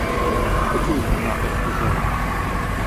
The tomb has not been preserved.